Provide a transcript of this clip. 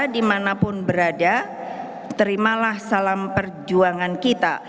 di mana pun berada terimalah salam perjuangan kita